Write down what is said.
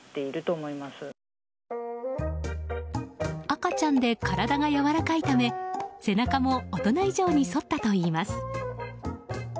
赤ちゃんで体がやわらかいため背中も大人以上にそったといいます。